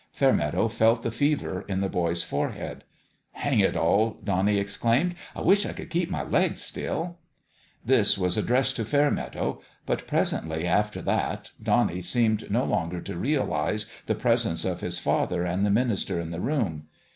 Fairmeadow felt the fever in the boy's fore head. " Hang it all !" Bonnie exclaimed. " I wish I could keep my legs still !" This was addressed to Fairmeadow ; but pres ently after that Bonnie seemed no longer to realize the presence of his father and the minister in the room.